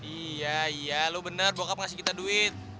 iya iya lo bener bokap ngasih kita duit